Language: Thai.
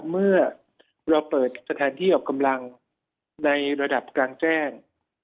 เมื่อเราเปิดสถานที่ออกกำลังในระดับกลางแจ้ง